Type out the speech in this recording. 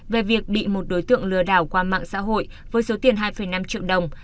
về việc bị một đối tượng lừa đảo qua mạng xã hội với số tiền hai năm triệu đồng